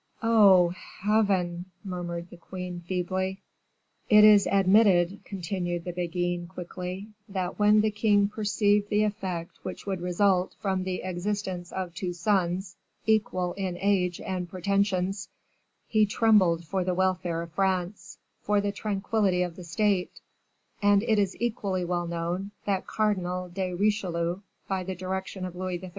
"Oh! Heaven!" murmured the queen feebly. "It is admitted," continued the Beguine, quickly, "that when the king perceived the effect which would result from the existence of two sons, equal in age and pretensions, he trembled for the welfare of France, for the tranquillity of the state; and it is equally well known that Cardinal de Richelieu, by the direction of Louis XIII.